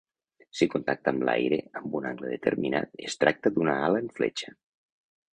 Si contacta amb l'aire amb un angle determinat, es tracta d'una ala en fletxa.